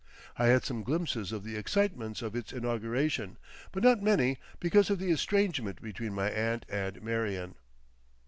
I had some glimpses of the excitements of its inauguration, but not many because of the estrangement between my aunt and Marion.